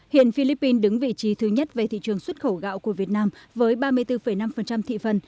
hiện philippines đứng vị trí thứ nhất về thị trường xuất khẩu gạo của việt nam với ba mươi bốn năm thị phần